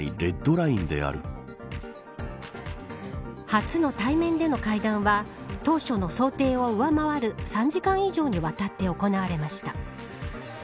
初の対面での会談は当初の想定を上回る３時間以上にわたって行われました。